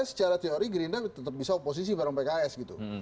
secara teori gerindra tetap bisa oposisi bareng pks gitu